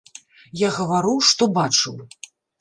Я гавару, што бачыў.